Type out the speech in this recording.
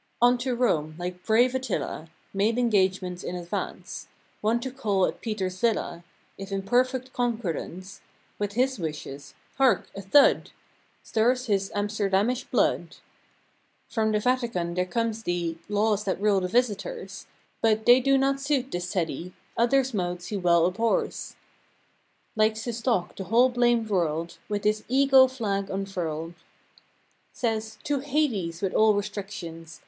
On to Rome, like brave Attila; Made engagements in advance. One to call at Peter's Villa, If in perfect concordance With his wishes. Hark! A thud! Stirs his Amsterdamish blood, 127 From the Vatican there comes the Laws that rule the visitors. But, they do not suit this Teddy, Other's modes he well abhors. Likes to stalk the whole blamed world. With his Ego flag unfurled. Says "To Hades with all restrictions!"